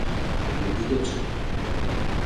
এগুলো কী করছো?